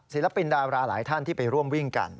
ศิลปินดาราหลายท่านที่ไปร่วมวิ่งกัน